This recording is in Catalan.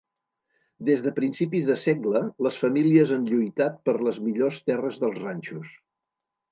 Des de principis de segle, les famílies han lluitat per les millors terres dels ranxos.